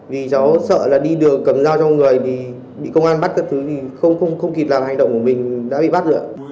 vì cháu sợ là đi đường cầm dao cho người thì bị công an bắt các thứ thì không kịp làm hành động của mình đã bị bắt rồi